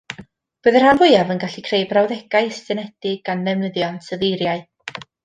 Bydd y rhan fwyaf yn gallu creu brawddegau estynedig gan ddefnyddio ansoddeiriau